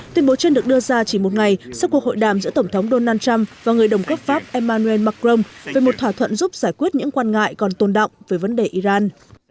tuyên bố trên được đưa ra chỉ một ngày sau cuộc hội đàm giữa tổng thống donald trump và người đồng cấp pháp emmanuel macron về một thỏa thuận giúp giải quyết những quan ngại còn tồn động về vấn đề iran